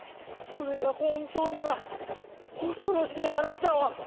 それが本当なら恐ろしい話だわ！